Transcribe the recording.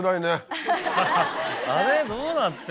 あれどうなって？